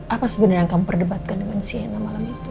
apa sebenarnya yang kamu perdebatkan dengan cnn malam itu